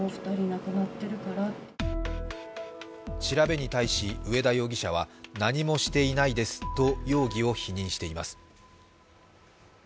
調べに対し上田容疑者は何もしていないですと容疑を否認しています。